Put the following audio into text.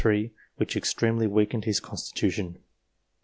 43, which extremely weakened his constitution.